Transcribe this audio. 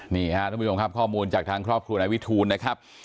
นี่ค่ะทุกคนค่ะข้อมูลจากทางครอบครัวนายวิทูลนะครับ